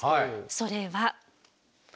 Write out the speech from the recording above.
それは。